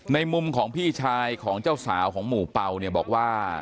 ในมุมของพี่ชายของเจ้าสาวของหมู่เป่าเนี่ยบอกว่า